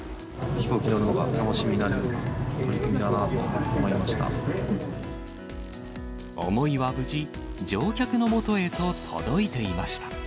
飛行機乗るのが楽しみになる思いは無事、乗客のもとへと届いていました。